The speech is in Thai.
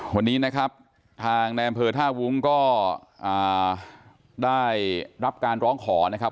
วันนี้นะครับทางในอำเภอท่าวุ้งก็ได้รับการร้องขอนะครับ